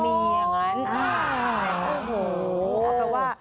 มีบารมีอย่างนั้น